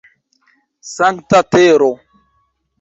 Sankta tero!